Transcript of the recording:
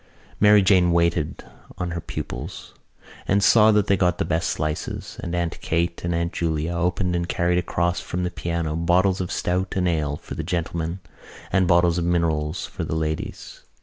Mary Jane waited on her pupils and saw that they got the best slices and Aunt Kate and Aunt Julia opened and carried across from the piano bottles of stout and ale for the gentlemen and bottles of minerals for the ladies.